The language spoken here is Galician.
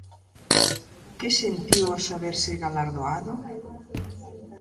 Que sentiu ao saberse galardoado?